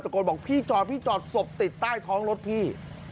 โกนบอกพี่จอดพี่จอดศพติดใต้ท้องรถพี่